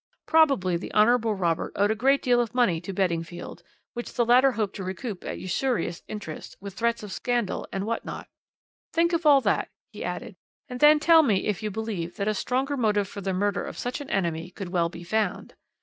Probably the Hon. Robert owed a great deal of money to Beddingfield, which the latter hoped to recoup at usurious interest, with threats of scandal and what not. "Think of all that," he added, "and then tell me if you believe that a stronger motive for the murder of such an enemy could well be found."